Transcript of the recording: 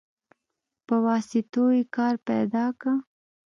په واسطو يې کار پيدا که.